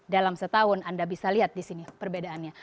dalam setahun anda bisa lihat di sini perbedaannya